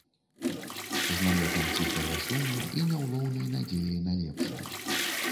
З налётам ціхага суму і няўлоўнай надзеяй на лепшае.